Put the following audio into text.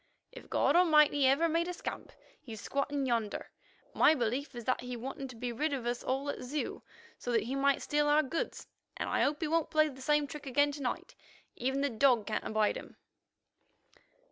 "If God Almighty ever made a scamp, he's squatting yonder. My belief is that he wanted to be rid of us all at Zeu, so that he might steal our goods, and I hope he won't play the same trick again to night. Even the dog can't abide him."